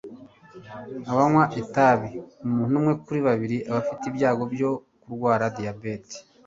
Abanywa itabi umuntu umwe kuri babiri afite ibyago byo kurwara diyabete